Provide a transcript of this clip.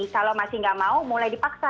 kalau masih nggak mau mulai dipaksa